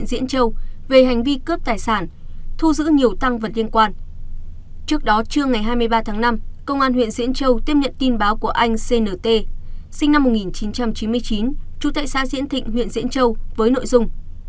sinh năm một nghìn chín trăm chín mươi chín trú tại xã diễn thịnh huyện diễn châu với nội dung